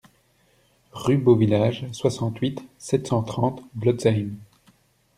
Rue Beau Village, soixante-huit, sept cent trente Blotzheim